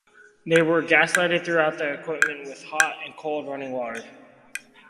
They were gas-lighted throughout and equipped with hot and cold running water.